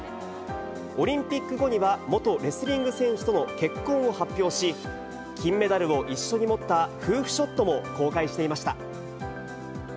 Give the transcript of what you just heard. オリンピック後には、元レスリング選手との結婚を発表し、金メダルを一緒に持った夫婦ショットも公開していました。